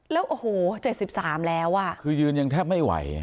แล้วโอ้โห๗๓แล้วอ่ะคือยืนยังแทบไม่ไหว